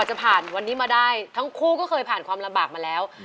จะผ่านวันนี้มาได้ทั้งคู่ก็เคยผ่านความลำบากมาแล้ว